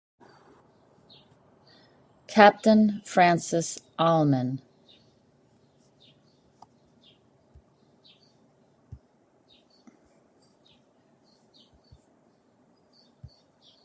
Captain Francis Allman Expedition Monument.